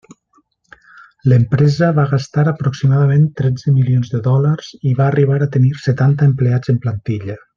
L'empresa va gastar aproximadament tretze milions de dòlars i va arribar a tenir setanta empleats en plantilla.